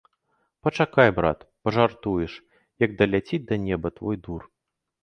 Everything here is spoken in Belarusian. Пачакай, брат, пажартуеш, як даляціць да неба твой дур.